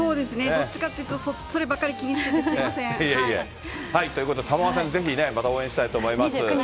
どっちかというと、そればかり気にしててすみまいえいえいえ。ということで、サモア戦、ぜひね、また応援したいと思います。